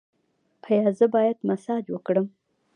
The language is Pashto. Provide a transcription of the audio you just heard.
ایا زه باید مساج وکړم؟